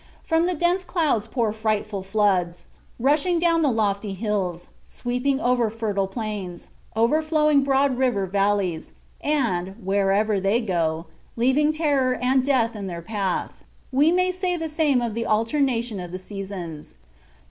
From the dense clouds pour frightful floods, rushing down the lofty hills, sweeping over fertile plains, overflowing broad river valleys, and, wherever they go, leaving terror and death in their path. We may say the same of the alternation of the seasons.